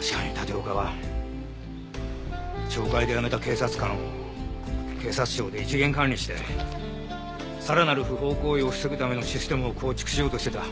確かに立岡は懲戒で辞めた警察官を警察庁で一元管理してさらなる不法行為を防ぐためのシステムを構築しようとしていた。